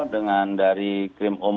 dengan dari krim umbang